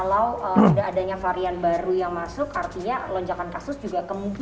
kalau tidak adanya varian baru yang masuk artinya lonjakan kasus juga kemungkinan tidak akan terjadi setelah lebaran